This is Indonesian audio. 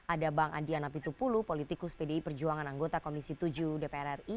ada bang adian apitupulu politikus pdi perjuangan anggota komisi tujuh dpr ri